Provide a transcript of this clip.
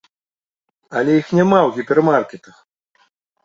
Але іх няма ў гіпермаркетах!